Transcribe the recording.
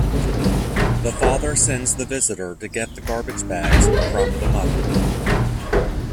The father sends the visitor to get garbage bags from the mother.